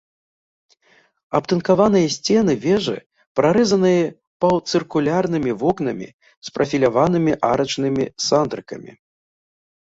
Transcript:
Абтынкаваныя сцены вежы прарэзаныя паўцыркульнымі вокнамі з прафіляванымі арачнымі сандрыкамі.